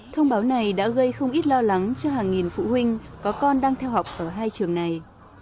thông báo này đã gây không ít lo lắng cho hàng nghìn phụ huynh có con đang theo học ở hai trường này